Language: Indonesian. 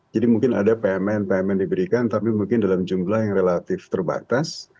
jadi mungkin ada payment payment diberikan tapi mungkin dalam jumlah yang relatif terbatas